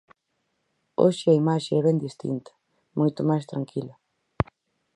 Hoxe a imaxe é ben distinta, moito máis tranquila.